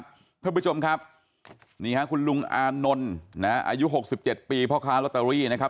เพื่อนผู้ชมครับนี่ค่ะคุณลุงอานนลอายุ๖๗ปีเพราะค้าร็อตเตอรี่นะครับ